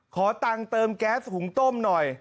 ขอตังค์เติมแก๊สหุงต้มหน่อย